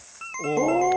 お！